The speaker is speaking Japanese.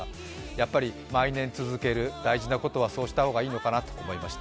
やっぱり毎年続ける、大事なことはそうした方がいいのかなと思いました。